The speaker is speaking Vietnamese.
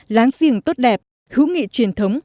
láng giềng tốt đẹp hữu nghị truyền thống